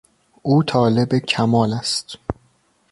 او طالب کمال است.